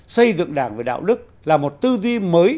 xây dựng đảng về đạo đức là một tư duy mới